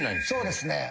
そうですね。